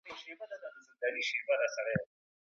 فني مهارتونه به د توليد کچه نوره هم لوړه کړي.